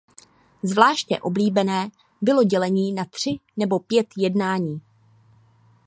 Zvláště oblíbené bylo dělení na tři nebo pět jednání.